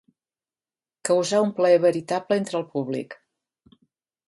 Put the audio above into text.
Causar un plaer veritable entre el públic.